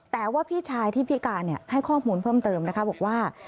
แต่ว่าพี่ชายที่พิการให้ข้อมูลเพิ่มเติมนะคะบอกว่า